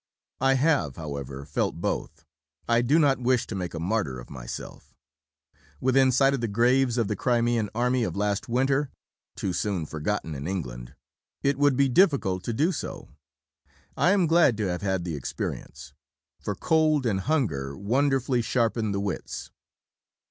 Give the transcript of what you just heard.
I have, however, felt both. I do not wish to make a martyr of myself; within sight of the graves of the Crimean Army of last winter (too soon forgotten in England), it would be difficult to do so. I am glad to have had the experience. For cold and hunger wonderfully sharpen the wits....